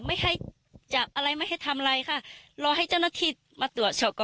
ไม่ให้จับอะไรไม่ให้ทำอะไรค่ะรอให้เจ้าหน้าที่มาตรวจสอบก่อน